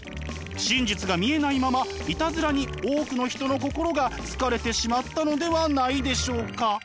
真実が見えないままいたずらに多くの人の心が疲れてしまったのではないでしょうか？